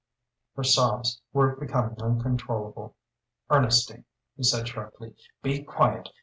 Her sobs were becoming uncontrollable. "Ernestine," he said, sharply "be quiet.